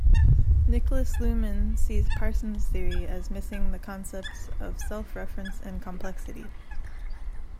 Niklas Luhmann sees Parsons’ theory as missing the concepts of self-reference and complexity.